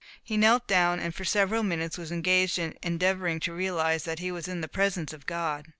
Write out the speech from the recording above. He knelt down, and for several minutes was engaged in endeavouring to realize that he was in the presence of God.